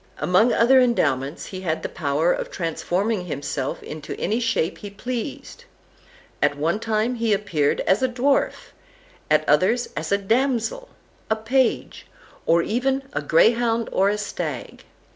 Among other endowments, he had the power of transforming himself into any shape he pleased. At one time he appeared as a dwarf, at others as a damsel, a page, or even a greyhound or a stag.